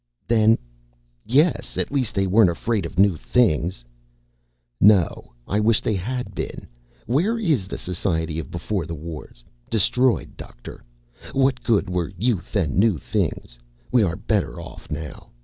"Then? Yes! At least they weren't afraid of new things." "No. I wish they had been. Where is the society of Beforethewars? Destroyed, Doctor! What good were youth and new things? We are better off now.